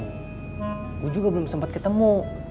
aku juga belum sempat ketemu